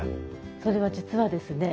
それは実はですね